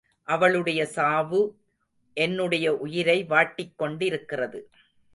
அவளுடைய சாவு என்னுடைய உயிரை வாட்டிக்கொண்டிருக்கிறது.